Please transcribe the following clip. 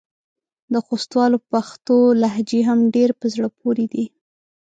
د خوستوالو پښتو لهجې هم ډېرې په زړه پورې دي.